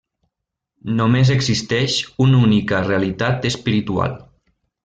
Només existeix una única realitat espiritual.